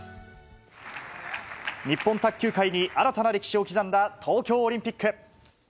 日本卓球界に新たな歴史を刻んだ東京オリンピック。